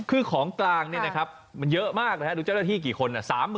คือของกลางมันเยอะมากเลยครับอย่างรู้เจ้าระที่กี่คน